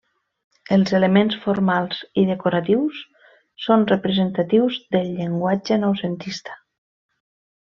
Els elements formals i decoratius són representatius del llenguatge noucentista.